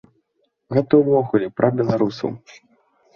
Гэта ўвогуле пра беларусаў.